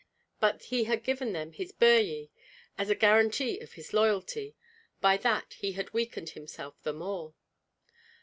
But he had given them his Birji as a guaranty of his loyalty; by that he had weakened himself the more.